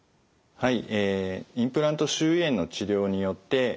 はい。